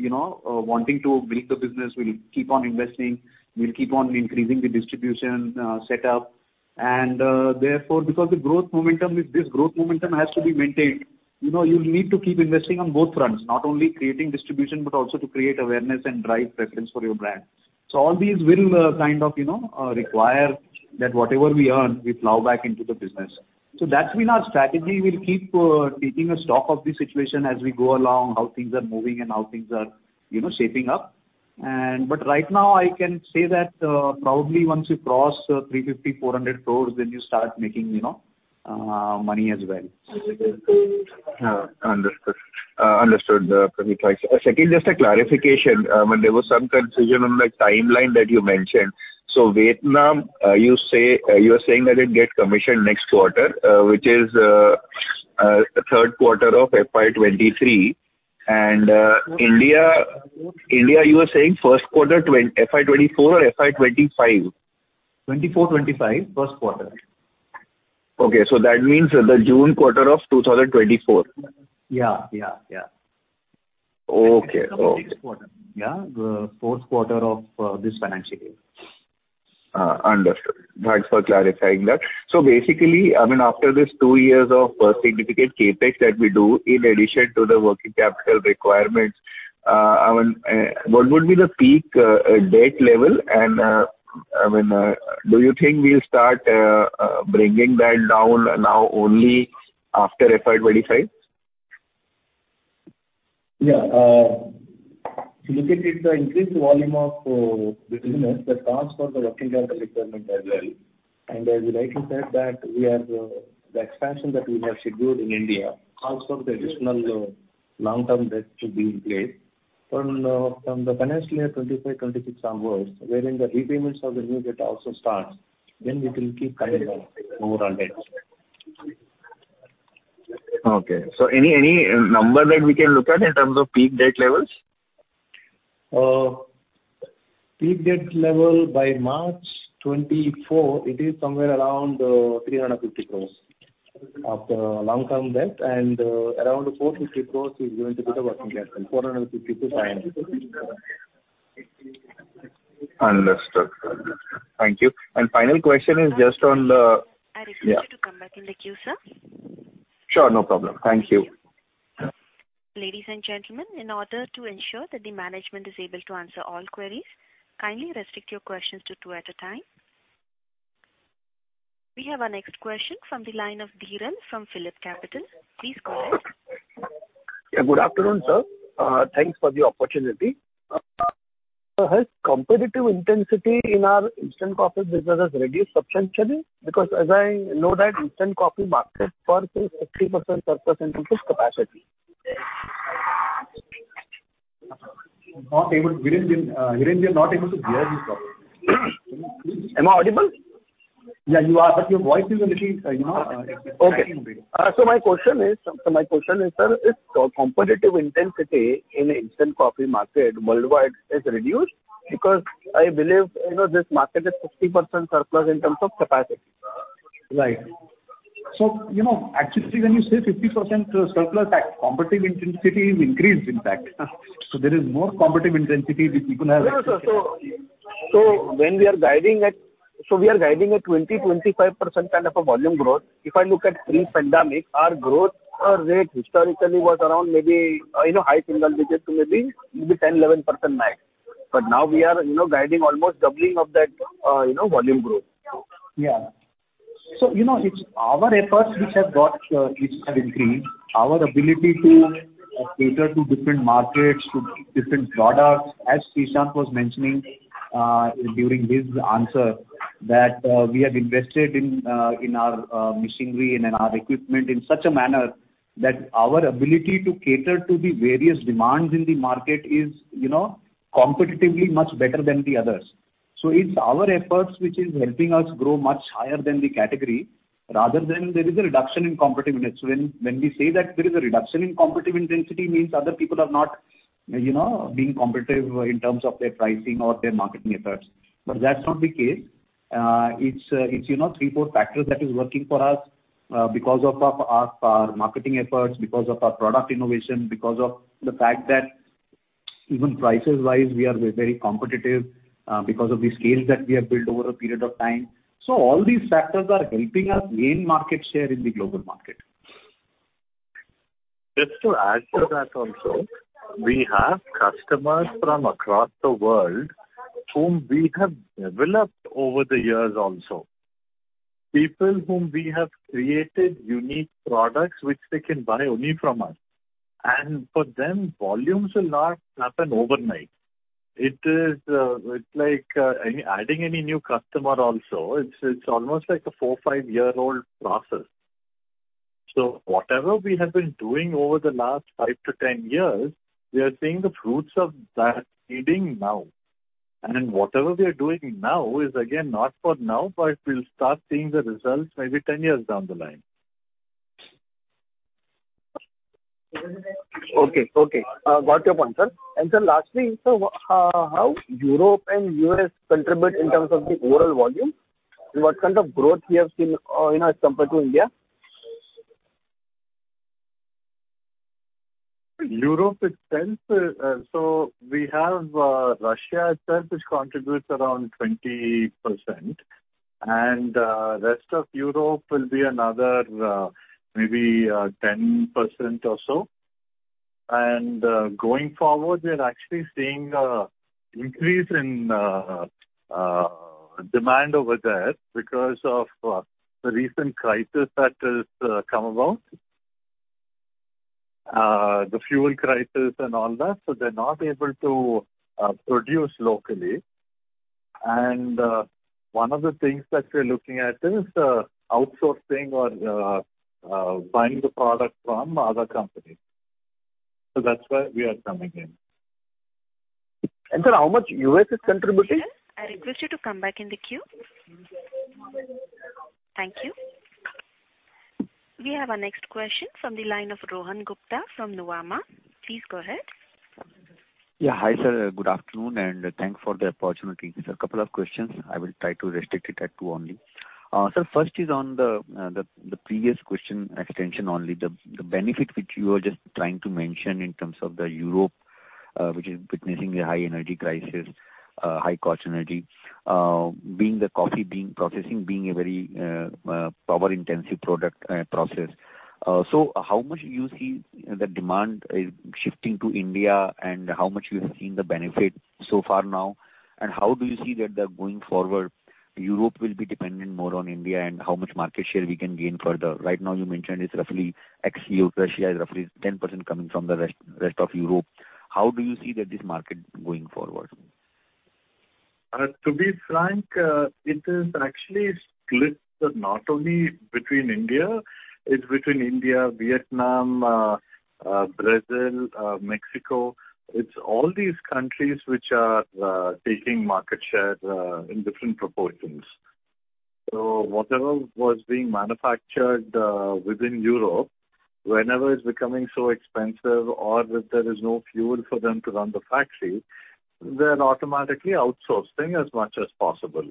you know, wanting to milk the business. We'll keep on investing. We'll keep on increasing the distribution set up and, therefore because the growth momentum is this, growth momentum has to be maintained. You know, you'll need to keep investing on both fronts, not only creating distribution, but also to create awareness and drive preference for your brand. All these will, kind of, you know, require that whatever we earn, we plow back into the business. That's been our strategy. We'll keep taking a stock of the situation as we go along, how things are moving and how things are, you know, shaping up. Right now I can say that, probably once you cross 350 crore-400 crore, then you start making, you know, money as well. Yeah. Understood. Understood, Praveen Jaipuriar. Second, just a clarification. When there was some confusion on the timeline that you mentioned. Vietnam, you say, you are saying that it gets commissioned next quarter, which is, third quarter of FY23. India, you are saying first quarter FY24 or FY25? 24-25 first quarter. Okay. That means the June quarter of 2024. Yeah. Yeah. Yeah. Okay. The next quarter. Yeah. The fourth quarter of this financial year. Understood. Thanks for clarifying that. Basically, I mean, after this two years of significant CapEx that we do, in addition to the working capital requirements, I mean, what would be the peak debt level and, I mean, do you think we'll start bringing that down now only after FY25? Yeah. If you look at it, the increased volume of business that accounts for the working capital requirement as well. As you rightly said, the expansion that we have scheduled in India accounts for the additional long-term debt to be in place. From the financial year 25, 26 onwards, wherein the repayments of the new debt also starts, then it will keep coming down over on debts. Okay. Any number that we can look at in terms of peak debt levels? Peak debt level by March 2024, it is somewhere around 350 crore of long-term debt and around 450 crore is going to be the working capital. 450 crore-500 crore. Understood. Thank you. Final question is just on the. I request you to come back in the queue, sir. Sure. No problem. Thank you. Ladies and gentlemen, in order to ensure that the management is able to answer all queries, kindly restrict your questions to two at a time. We have our next question from the line of Dhiren from PhillipCapital. Please go ahead. Yeah, good afternoon, sir. Thanks for the opportunity. Sir, has competitive intensity in our instant coffee business reduced substantially? Because as I know that instant coffee market is 80% surplus in terms of capacity. Dhiren, we are not able to hear you properly. Am I audible? Yeah, you are, but your voice is a little, you know, breaking a bit. Okay. My question is, sir, is competitive intensity in instant coffee market worldwide reduced? Because I believe, you know, this market is 50% surplus in terms of capacity. Right. You know, actually, when you say 50% surplus, competitive intensity is increased, in fact. There is more competitive intensity which people have. No, no. We are guiding at 20%-25% kind of a volume growth. If I look at pre-pandemic, our growth rate historically was around maybe, you know, high single digits to maybe 10, 11% max. Now we are, you know, guiding almost doubling of that, you know, volume growth. Yeah. You know, it's our efforts which have increased our ability to cater to different markets, to different products. As Shashank was mentioning, during his answer that, we have invested in our machinery and in our equipment in such a manner that our ability to cater to the various demands in the market is, you know, competitively much better than the others. It's our efforts which is helping us grow much higher than the category rather than there is a reduction in competitive intensity. When we say that there is a reduction in competitive intensity means other people are not, you know, being competitive in terms of their pricing or their marketing efforts. That's not the case. It's, you know, 3, 4 factors that is working for us, because of our marketing efforts, because of our product innovation, because of the fact that even prices-wise, we are very competitive, because of the scale that we have built over a period of time. All these factors are helping us gain market share in the global market. Just to add to that also, we have customers from across the world whom we have developed over the years also. People whom we have created unique products which they can buy only from us. For them, volumes will not happen overnight. It is, it's like, adding any new customer also, it's almost like a 4-5-year-old process. Whatever we have been doing over the last 5-10 years, we are seeing the fruits of that seeding now. Whatever we are doing now is again, not for now, but we'll start seeing the results maybe 10 years down the line. Okay. Got your point, sir. Sir, lastly, how Europe and U.S. contribute in terms of the overall volume? What kind of growth we have seen, you know, as compared to India? Europe itself, so we have Russia itself, which contributes around 20%. Rest of Europe will be another, maybe, 10% or so. Going forward, we are actually seeing an increase in demand over there because of the recent crisis that has come about. The fuel crisis and all that, so they're not able to produce locally. One of the things that we're looking at is outsourcing or buying the product from other companies. That's where we are coming in. Sir, how much U.S. is contributing? I request you to come back in the queue. Thank you. We have our next question from the line of Rohan Gupta from Nuvama. Please go ahead. Yeah. Hi, sir. Good afternoon, and thanks for the opportunity. Just a couple of questions. I will try to restrict it at two only. Sir, first is on the previous question extension only. The benefit which you were just trying to mention in terms of Europe, which is witnessing a high energy crisis, high cost energy. Being coffee bean processing a very power intensive process. How much you see the demand shifting to India, and how much you have seen the benefit so far now? How do you see that going forward, Europe will be dependent more on India, and how much market share we can gain further? Right now you mentioned it's roughly ex-Europe, Russia is roughly 10% coming from the rest of Europe. How do you see that this market going forward? To be frank, it is actually split, but not only between India. It's between India, Vietnam, Brazil, Mexico. It's all these countries which are taking market share in different proportions. Whatever was being manufactured within Europe, whenever it's becoming so expensive or that there is no fuel for them to run the factory, they're automatically outsourcing as much as possible.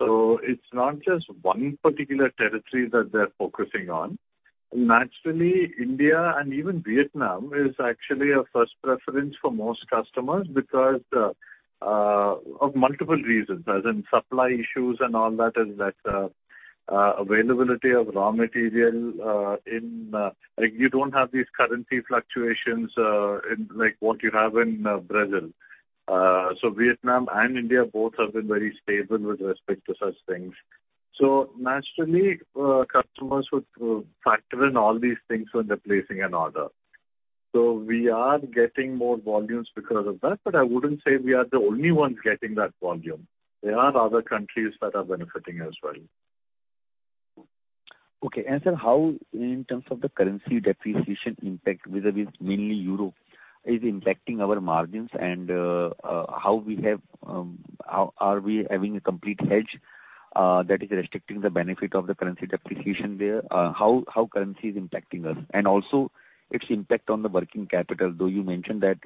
It's not just one particular territory that they're focusing on. Naturally, India and even Vietnam is actually a first preference for most customers because of multiple reasons, as in supply issues and all that, availability of raw material in. Like, you don't have these currency fluctuations in like what you have in Brazil. Vietnam and India both have been very stable with respect to such things. Naturally, customers would factor in all these things when they're placing an order. We are getting more volumes because of that, but I wouldn't say we are the only ones getting that volume. There are other countries that are benefiting as well. Okay. Sir, how in terms of the currency depreciation impact vis-a-vis mainly Europe is impacting our margins. Are we having a complete hedge that is restricting the benefit of the currency depreciation there? How currency is impacting us? Also its impact on the working capital. Though you mentioned that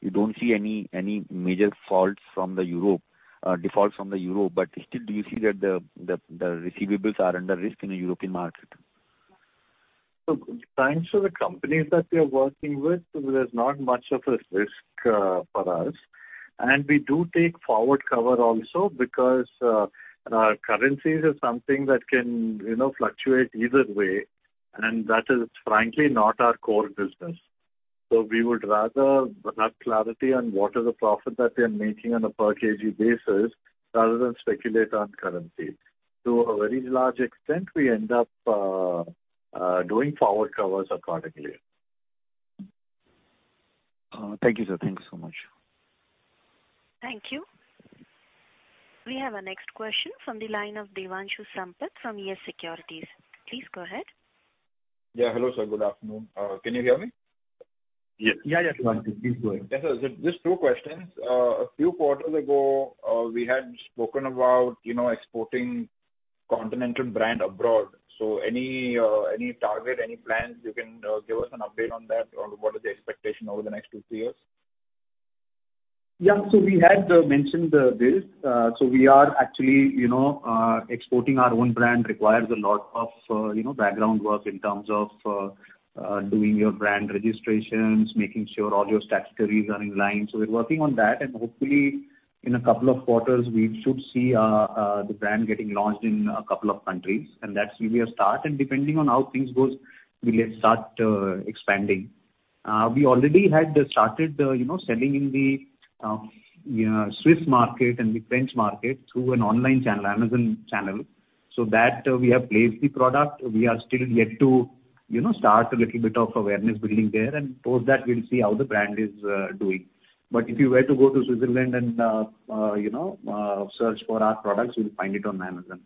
you don't see any major defaults from Europe, but still do you see that the receivables are under risk in the European market? Thanks to the companies that we are working with, there's not much of a risk for us. We do take forward cover also because currencies are something that can, you know, fluctuate either way, and that is frankly not our core business. We would rather have clarity on what is the profit that we are making on a per KG basis rather than speculate on currency. To a very large extent, we end up doing forward covers accordingly. Thank you, sir. Thank you so much. Thank you. We have our next question from the line of Devanshu Sampat from YES Securities. Please go ahead. Yeah. Hello, sir. Good afternoon. Can you hear me? Yes. Yeah. Yeah, Devanshu. Please go ahead. Yeah, sir. Just two questions. A few quarters ago, we had spoken about, you know, exporting Continental brand abroad. Any target, any plans you can give us an update on that or what is the expectation over the next 2-3 years? Yeah. We had mentioned this. We are actually, you know, exporting our own brand requires a lot of, you know, background work in terms of doing your brand registrations, making sure all your statutory are in line. We're working on that, and hopefully in a couple of quarters, we should see the brand getting launched in a couple of countries, and that will be a start. Depending on how things go, we'll start expanding. We already had started, you know, selling in the Swiss market and the French market through an online channel, Amazon channel, so that we have placed the product. We are still yet to, you know, start a little bit of awareness building there, and post that we'll see how the brand is doing. If you were to go to Switzerland and, you know, search for our products, you'll find it on Amazon.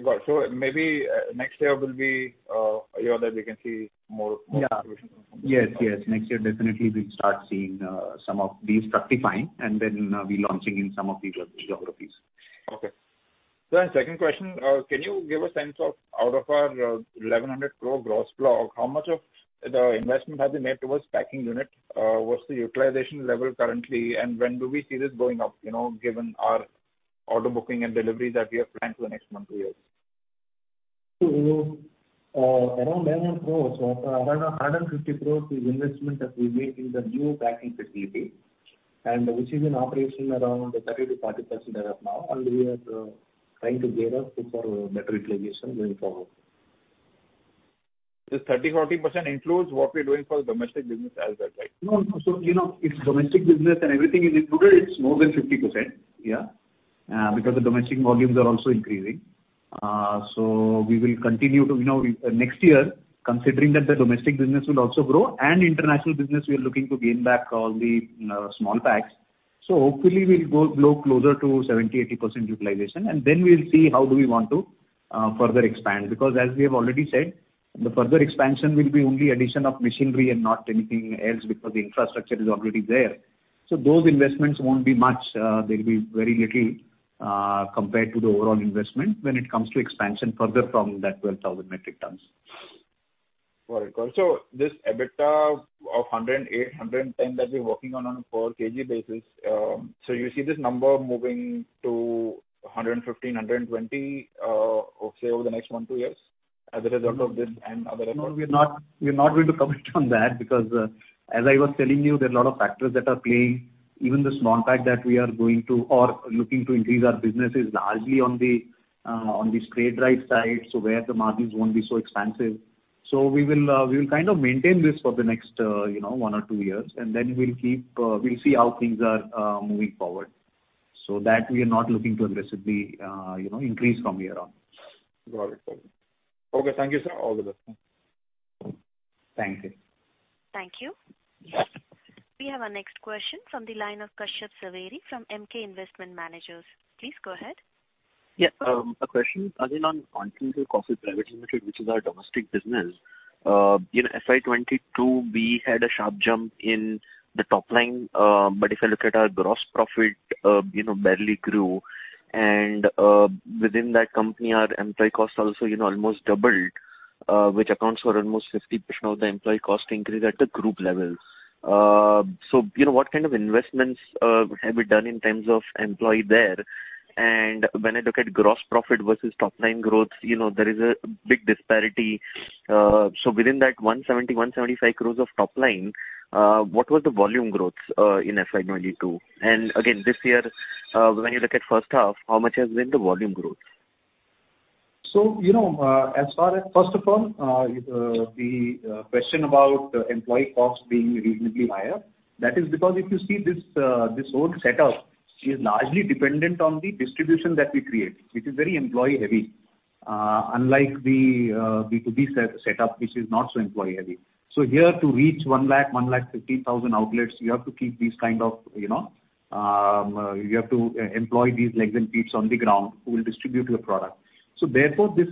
Right. Maybe next year will be a year that we can see more. Yeah. more distribution from Yes, yes. Next year, definitely we'll start seeing some of the structuring, and then, we're launching in some of the geographies. Okay. Second question. Can you give a sense of out of our 1,100 crore gross flow, how much of the investment has been made towards packing unit? What's the utilization level currently, and when do we see this going up, you know, given our order booking and delivery that we have planned for the next 1-2 years? Around 900 crore of around 150 crore is investment that we made in the new packaging facility, and which is in operation around 30%-40% as of now, and we are trying to gear up for better utilization going forward. This 30%-40% includes what we're doing for domestic business as well, right? No, you know, it's domestic business and everything is included. It's more than 50%. Yeah. Because the domestic volumes are also increasing. We will continue to you know, next year, considering that the domestic business will also grow and international business, we are looking to gain back all the small packs. Hopefully we'll go closer to 70%-80% utilization, and then we'll see how we want to further expand. Because as we have already said, the further expansion will be only addition of machinery and not anything else because the infrastructure is already there. Those investments won't be much. They'll be very little compared to the overall investment when it comes to expansion further from that 12,000 metric tons. Got it. This EBITDA of 108-110 that we're working on a per KG basis, you see this number moving to 115-120, say over the next 1-2 years as a result of this and other efforts? No, we're not going to comment on that because as I was telling you, there are a lot of factors that are playing. Even the small pack that we are going to or looking to increase our business is largely on the spray-dried side, so where the margins won't be so expansive. We will kind of maintain this for the next, you know, one or two years, and then we'll keep, we'll see how things are moving forward. That we are not looking to aggressively, you know, increase from here on. Got it. Okay, thank you, sir. All the best. Thank you. Thank you. We have our next question from the line of Kashyap Javeri from Emkay Investment Managers. Please go ahead. Yeah. A question again on Continental Coffee Private Limited, which is our domestic business. In FY22, we had a sharp jump in the top line. If I look at our gross profit, you know, barely grew. Within that company, our employee costs also, you know, almost doubled, which accounts for almost 50% of the employee cost increase at the Group level. What kind of investments have we done in terms of employee there? When I look at gross profit versus top line growth, you know, there is a big disparity. Within that 170-175 crore of top line, what was the volume growth in FY22? Again, this year, when you look at first half, how much has been the volume growth? you know, First of all, the question about employee costs being reasonably higher. That is because if you see this whole setup is largely dependent on the distribution that we create. It is very employee heavy, unlike the B2B setup, which is not so employee heavy. Here to reach 150,000 outlets, you have to keep these kind of, you know, you have to employ these legs and feet on the ground who will distribute the product. Therefore, this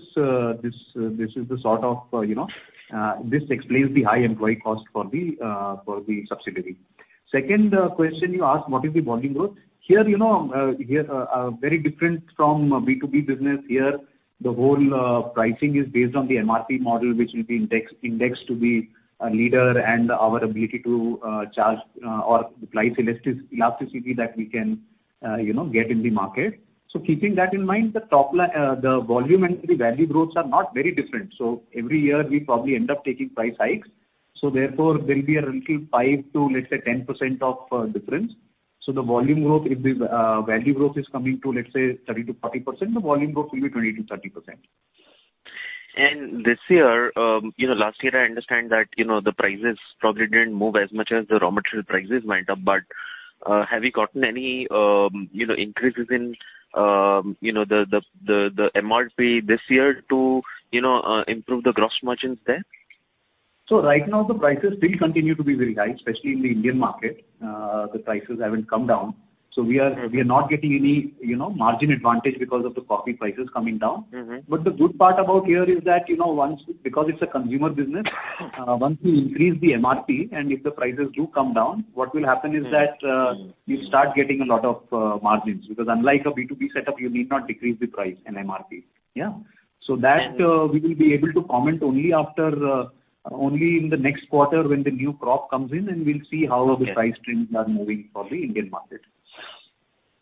explains the high employee cost for the subsidiary. Second, question you asked, what is the volume growth? Here, you know, very different from B2B business. Here, the whole pricing is based on the MRP model, which will be indexed to be a leader and our ability to charge or apply elasticity that we can, you know, get in the market. Keeping that in mind, the top line, the volume and the value growths are not very different. Every year we probably end up taking price hikes, so therefore there'll be a little 5%-10% difference. The volume growth, if the value growth is coming to, let's say, 30%-40%, the volume growth will be 20%-30%. This year, you know, last year I understand that, you know, the prices probably didn't move as much as the raw material prices went up. But, have you gotten any, you know, increases in, you know, the MRP this year to, you know, improve the gross margins there? Right now, the prices still continue to be very high, especially in the Indian market. The prices haven't come down, so we are not getting any, you know, margin advantage because of the coffee prices coming down. Mm-hmm. The good part about here is that, you know, once, because it's a consumer business, once we increase the MRP and if the prices do come down, what will happen is that you start getting a lot of margins. Because unlike a B2B setup, you need not decrease the price and MRP. Yeah. That we will be able to comment only in the next quarter when the new crop comes in, and we'll see how the price trends are moving for the Indian market.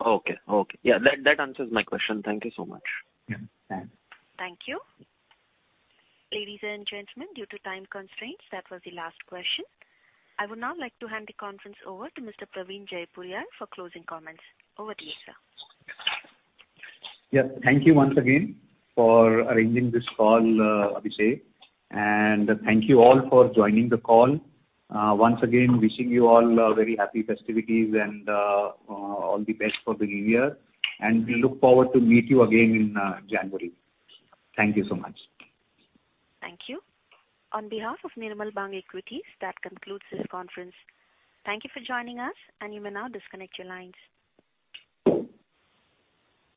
Okay. Yeah. That answers my question. Thank you so much. Yeah. Thanks. Thank you. Ladies and gentlemen, due to time constraints, that was the last question. I would now like to hand the conference over to Mr. Praveen Jaipuriar for closing comments. Over to you, sir. Yeah. Thank you once again for arranging this call, Abhishek, and thank you all for joining the call. Once again, wishing you all a very happy festivities and all the best for the new year, and we look forward to meet you again in January. Thank you so much. Thank you. On behalf of Nirmal Bang Equities, that concludes this conference. Thank you for joining us, and you may now disconnect your lines.